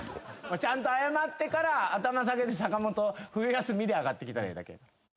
ちゃんと謝ってから頭下げて坂本冬休みで上がってきたらええだけ。